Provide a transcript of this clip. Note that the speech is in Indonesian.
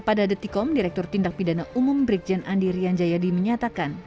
pada detikom direktur tindak pidana umum brikjen andi rian jayadi menyatakan